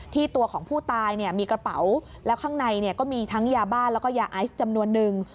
ตัวของผู้ตายมีกระเป๋าแล้วข้างในก็มีทั้งยาบ้าแล้วก็ยาไอซ์จำนวนนึง